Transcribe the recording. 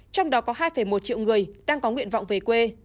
trong đó có hai một triệu người đang có nguyện vọng về quê